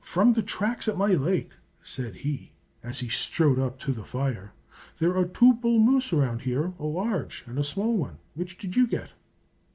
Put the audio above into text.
"From the tracks at my lake," said he, as he strode up to the fire, "there are two bull moose around here a large and a small one; which did you get?"